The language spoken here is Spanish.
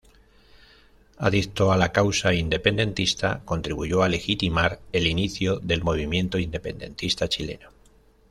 Adicto a la causa independentista, contribuyó a legitimar el inicio del movimiento independentista chileno.